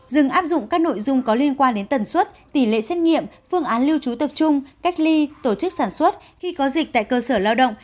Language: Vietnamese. dừng áp dụng các nội dung có liên quan đến tần suất tỷ lệ xét nghiệm phương án lưu trú tập trung cách ly tổ chức sản xuất khi có dịch tại cơ sở lao động